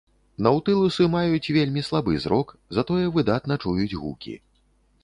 Наўтылусы маюць вельмі слабы зрок, затое выдатна чуюць гукі.